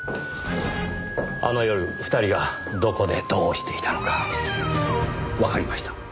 あの夜２人がどこでどうしていたのかわかりました。